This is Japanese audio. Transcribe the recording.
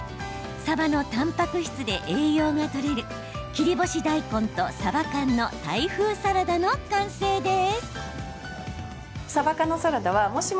さばのたんぱく質で栄養がとれる切り干し大根と、さば缶のタイ風サラダの完成です。